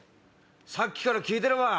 さっきから聞いてれば。